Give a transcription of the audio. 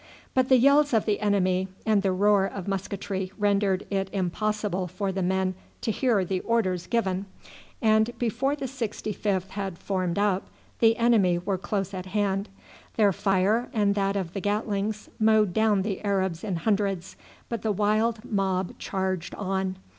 But the yells of the enemy and the roar of musketry rendered it impossible for the men to hear the orders given, and before the 65th had formed up the enemy were close at hand. Their fire and that of the Gatlings mowed down the Arabs in hundreds, but the wild mob charged on.